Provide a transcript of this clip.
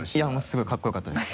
すごいかっこよかったです。